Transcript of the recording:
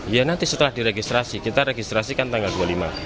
ya nanti setelah diregistrasi kita registrasikan tanggal dua puluh lima